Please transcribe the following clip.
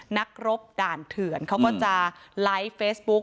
นักรบด่านเถื่อนเขาก็จะไลฟ์เฟซบุ๊ก